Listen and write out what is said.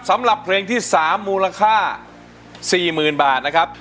สำหรับเพลงที่สามมูลค่าสี่หมื่นบาทนะครับ